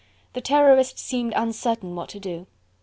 The Terrorist seemed uncertain what to do.